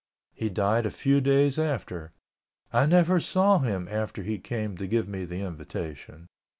He died a few days after. I never saw him after he came to give me the invitation.